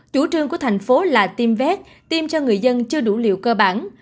chủ trương của thành phố là tiêm vét tiêm cho người dân chưa đủ liều cơ bản